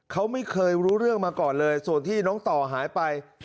เขาไม่เคยรู้เรื่องมาก่อนเลยส่วนที่น้องต่อหายไป